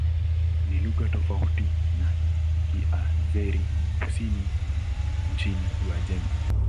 Ni lugha tofauti na Kiazeri-Kusini nchini Uajemi.